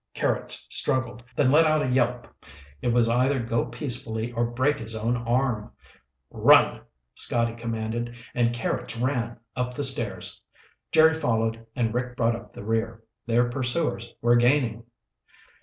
Carrots struggled, then let out a yelp. It was either go peacefully or break his own arm. "Run," Scotty commanded, and Carrots ran, up the stairs. Jerry followed and Rick brought up the rear. Their pursuers were gaining!